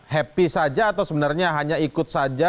happy saja atau sebenarnya hanya ikut saja